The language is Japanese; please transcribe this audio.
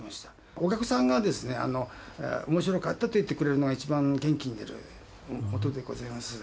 お客さんがですね、おもしろかったと言ってくれるのが、一番元気が出ることでございます。